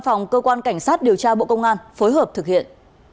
phòng cơ quan cảnh sát điều tra bộ công an phối hợp thực hiện